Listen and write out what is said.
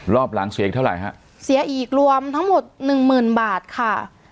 รอบหลังเสียอีกเท่าไหร่ฮะเสียอีกรวมทั้งหมดหนึ่งหมื่นบาทค่ะ